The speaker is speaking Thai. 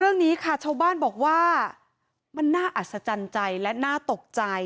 เรื่องนี้ค่ะชาวบ้านบอกว่ามันน่าอัศจรรย์ใจและน่าตกใจ